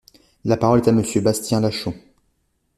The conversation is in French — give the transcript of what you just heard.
La parole est à Monsieur Bastien Lachaud.